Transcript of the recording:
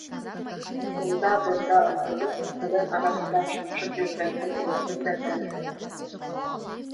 Унда-бында ынтылып, үлән араһында шыңшып йөрөгән йән эйәһен дә таныманы.